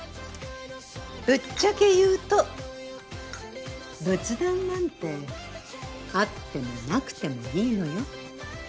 ぶっちゃけ言うと仏壇なんてあってもなくてもいいのよ。